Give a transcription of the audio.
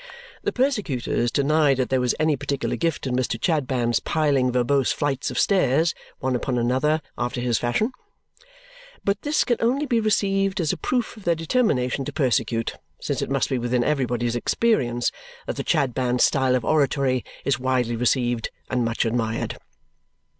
The persecutors denied that there was any particular gift in Mr. Chadband's piling verbose flights of stairs, one upon another, after this fashion. But this can only be received as a proof of their determination to persecute, since it must be within everybody's experience that the Chadband style of oratory is widely received and much admired.